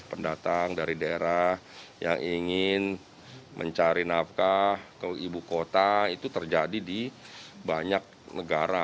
pendatang dari daerah yang ingin mencari nafkah ke ibu kota itu terjadi di banyak negara